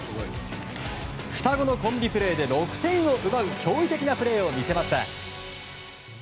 双子のコンビプレーで６点を奪う驚異的なプレーを見せました。